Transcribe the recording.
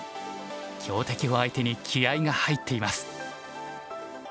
強敵を相手に気合いが入っています。